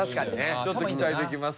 ちょっと期待できます。